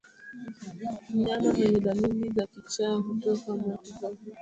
Mnyama mwenye dalili za kichaa hutokwa mate hovyo